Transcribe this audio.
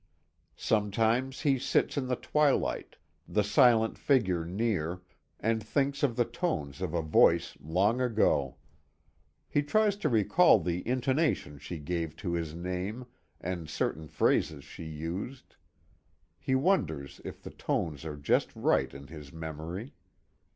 Sometimes he sits in the twilight, the silent figure near, and thinks of the tones of a voice long ago. He tries to recall the intonation she gave to his name, and certain phrases she used. He wonders if the tones are just right in his memory.